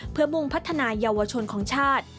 เพื่อมุ่งพัฒนายาวชนของชาติ